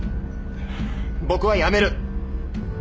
僕は辞める。